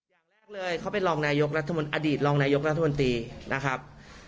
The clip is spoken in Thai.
อย่างแรกเลยเขาเป็นอดีตรองนายกรัฐบนตรีนะครับ